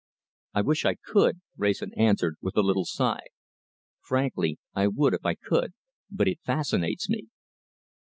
"I wish I could," Wrayson answered, with a little sigh. "Frankly, I would if I could, but it fascinates me."